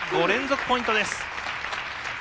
５連続ポイントです。